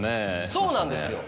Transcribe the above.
そうなんですよ。